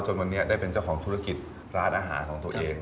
จนวันนี้ได้เป็นเจ้าของธุรกิจร้านอาหารของตัวเอง